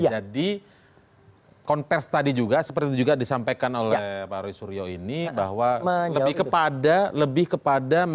jadi konversi tadi juga seperti itu juga disampaikan oleh pak rizuryo ini bahwa lebih kepada